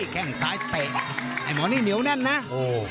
แค่งซ้ายเตะไอ้หมอนี่เหนียวแน่นนะโอ้